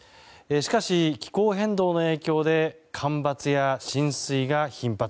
しかし、気候変動の影響で干ばつや浸水が頻発。